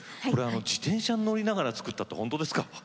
自転車に乗りながら作ったというのは本当ですか？